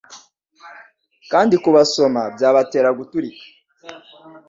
Kandi kubasoma byabatera guturika